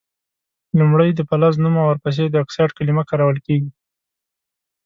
لومړۍ د فلز نوم او ور پسي د اکسایډ کلمه کارول کیږي.